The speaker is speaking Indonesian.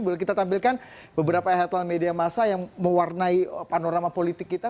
boleh kita tampilkan beberapa headline media masa yang mewarnai panorama politik kita